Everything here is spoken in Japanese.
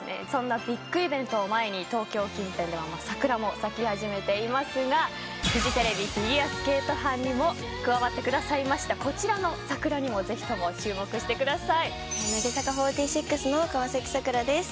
ビッグイベントを前に東京近辺では桜も咲き始めていますがフジテレビフィギュアスケート班にも加わってくださいましたこちらの桜にも乃木坂４６の川崎桜です。